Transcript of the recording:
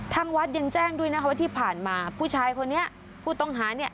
ทางวัดยังแจ้งด้วยนะคะว่าที่ผ่านมาผู้ชายคนนี้ผู้ต้องหาเนี่ย